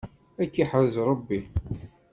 Ad k-yeḥrez Ṛebbi.